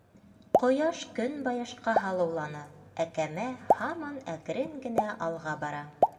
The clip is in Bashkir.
Ҡояш көнбайышҡа һалыуланы, ә кәмә һаман әкрен генә алға бара.